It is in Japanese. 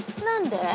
何で？